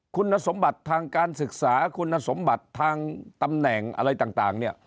คุณสมบัติทางการศึกษาคุณสมบัติทางตำแหน่งอะไรต่างเนี่ย